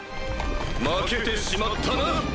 負けてしまったな！